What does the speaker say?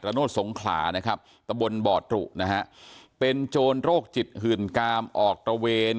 โนธสงขลานะครับตะบนบ่อตรุนะฮะเป็นโจรโรคจิตหื่นกามออกตระเวน